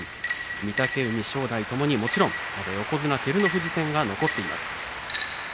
御嶽海、正代ともに、もちろん横綱照ノ富士戦が残っています。